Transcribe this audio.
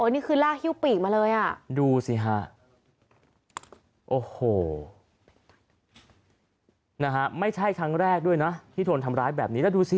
นี่คือลากฮิ้วปีกมาเลยอ่ะดูสิฮะโอ้โหนะฮะไม่ใช่ครั้งแรกด้วยนะที่โดนทำร้ายแบบนี้แล้วดูสิ